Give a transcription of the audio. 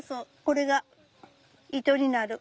これが糸になる。